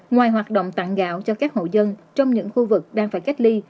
ngoài hoạt động tặng gạo cho các hộ dân trong những khu vực đang phải cách ly